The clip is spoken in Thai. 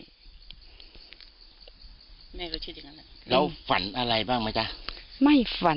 แล้วฝันอะไรบ้างไหมจ๊ะ